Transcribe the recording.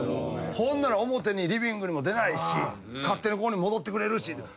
ほんなら表にリビングにも出ないし勝手にここに戻ってくれるし。